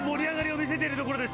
見せているところです。